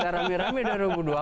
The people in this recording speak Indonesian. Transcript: rame rame dua ribu dua puluh empat